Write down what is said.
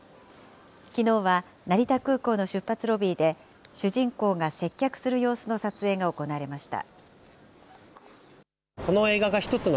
きのうは成田空港の出発ロビーで主人公が接客する様子の撮影が行われました。